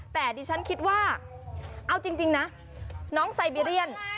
แต่จริงน้องไซเบีเรียน